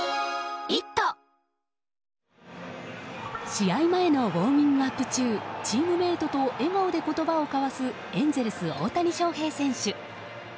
試合前のウォーミングアップ中チームメートと笑顔で言葉を交わすエンゼルス、大谷翔平選手。